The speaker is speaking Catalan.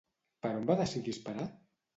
Per on va decidir esperar?